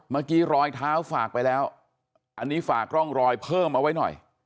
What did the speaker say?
รอยเท้าฝากไปแล้วอันนี้ฝากร่องรอยเพิ่มเอาไว้หน่อย